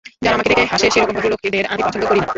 যারা আমাকে দেখে হাসে সেরকম ভদ্রলোকদের আমি পছন্দ করি না।